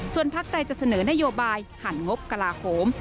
ส่วนพักใดจะเสนอนโยบายหันงบกลาโหม